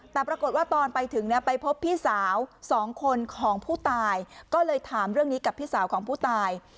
แต่ปรากฏว่าตอนไปถึงไปพบพี่สาวสองคนของผู้ตายก็เลยถามเรื่องนี้กับพี่สาวของผู้ตาย